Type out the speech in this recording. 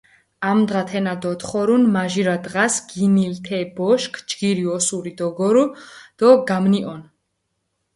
ამდღა თენა დოთხორუნ, მაჟირა დღას გინილჷ თე ბოშქ, ჯგირი ოსური დოგორჷ დო გამნიჸონჷ.